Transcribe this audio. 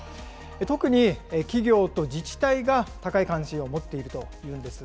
特に企業と自治体が高い関心を持っているというんです。